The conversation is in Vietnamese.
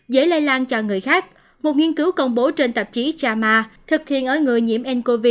dễ lây lan cho người khác một nghiên cứu công bố trên tạp chí chama thực hiện ở người nhiễm ncov